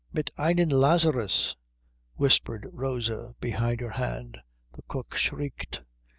"Mit einem Lazarus," whispered Rosa, behind her hand. The cook shrieked.